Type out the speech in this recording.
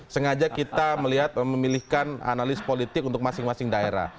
sengaja kita melihat memilihkan analis politik untuk masing masing daerah